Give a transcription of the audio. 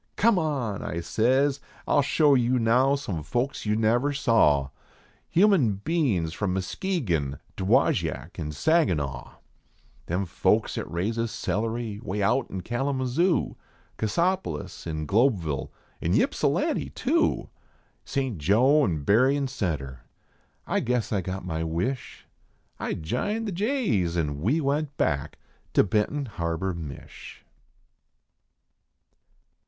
"Come on," I says, "I ll show you now some folks you never saw, Human bein s from Muskegon, Dowagiac, an Saginaw ; Them folks at raises celery way out in Kal mazoo, Cassopolis, an Globeville, an Ypsilanti, too St. Joe and Berrien Centre." I guess I got my wish, I jined the jays an we went back to Benton Harbor, Mich.